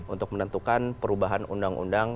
untuk menentukan perubahan undang undang